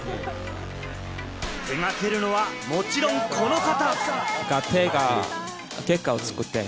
手がけるのは、もちろんこの方。